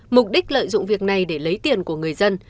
mục đích lợi dụng việc này để lấy tiền của người dân